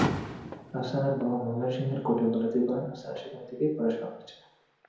আফসানার বাবা ময়মনসিংহের কোর্টে ওকালতি করেন, আফসানা সেখানে থেকেই পড়শোনা করেছে।